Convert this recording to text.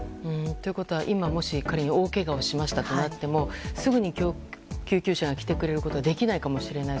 ということは今もし仮に大けがをしたとなってもすぐに救急車が来てくれることはできないかもしれない。